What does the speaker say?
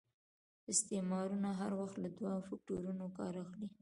استعمارونه هر وخت له دوه فکټورنو کار اخلي.